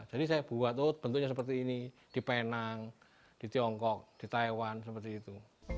jadi saya buat bentuknya seperti ini di penang di tiongkok di taiwan seperti itu